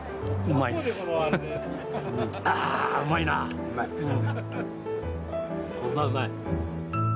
うまいうまい。